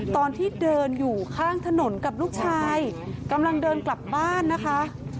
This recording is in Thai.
ตอนที่เดินอยู่ข้างถนนกับลูกชายกำลังเดินกลับบ้านนะคะ